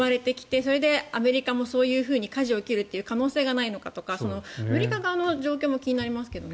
それでアメリカもそういうふうにかじを切る可能性がないのかとかアメリカ側の状況も気になりますけどね。